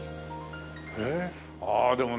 へえああでもね